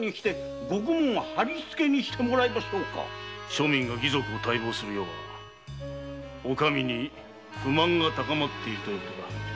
庶民が義賊を待望する世はお上に不満が高まっていると言う事だ。